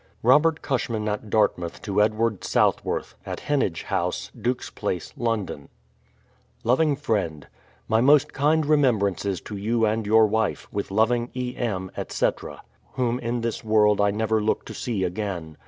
Robert Cushman at Dartmouth to Edward Southworth, at He.anage House, Duke's Place, London. Loving Friend, My most kind remembrances to j^ou and your wife, with loving E. M., etc., whom in this world I never look to see again.